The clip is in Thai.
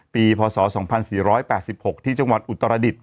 พศ๒๔๘๖ที่จังหวัดอุตรดิษฐ